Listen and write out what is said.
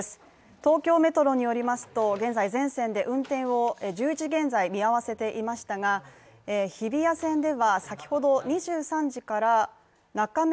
東京メトロによりますと１１時現在全線で運転を見合わせていましたが日比谷線では先ほど２３時から中目